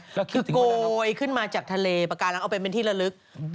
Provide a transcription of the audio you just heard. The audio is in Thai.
ก็คือโกยขึ้นมาจากทะเลปากาลังเอาไปเป็นที่ละลึก